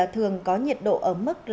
thường có nhiệt độ ở mức